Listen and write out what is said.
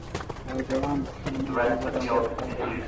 کارګران د خپل مزد دوه برابره کار کوي